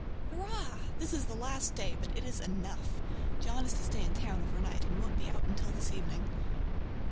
Hurrah! This is the last day, but it is enough. John is to stay in town over night, and won't be out until this evening.